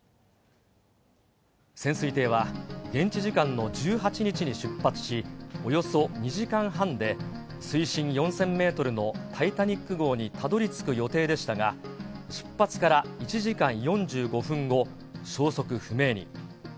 潜水艇は、現地時間の１８日に出発し、およそ２時間半で水深４０００メートルのタイタニック号にたどりつく予定でしたが、出発から１時間４５分後、消息不明に。